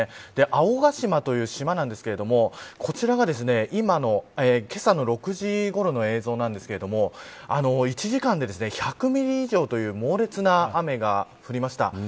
青ヶ島という島なんですけどこちらがけさの６時ごろの映像なんですけれど１時間で１００ミリ以上という猛烈な雨が降りました。